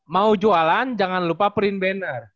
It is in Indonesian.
mau jualan jangan lupa print banner